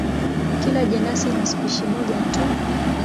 Kila jenasi ina spishi moja tu.